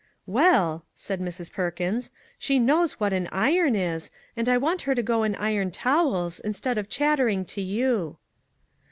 " Well," said Mrs. Perkins, " she knows what an iron is ; and I want her to go and iron towels, instead of chattering to you."